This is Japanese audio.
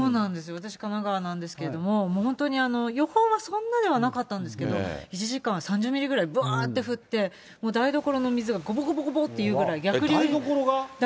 私、神奈川なんですけれども、本当に、予報はそんなでもなかったんですけれども、１時間３０ミリぐらい、ぶわーって降って、台所の水がごぼごぼごぼっていうぐらい、逆流して。